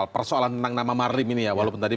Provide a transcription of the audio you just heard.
persoalan tentang nama marim ini ya walaupun tadi